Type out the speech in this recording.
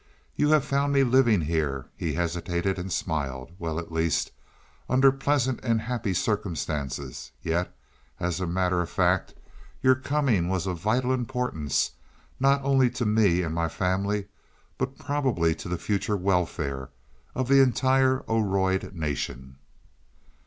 You have found me living here," he hesitated and smiled, "well at least under pleasant and happy circumstances. Yet as a matter of fact, your coming was of vital importance, not only to me and my family, but probably to the future welfare of the entire Oroid nation.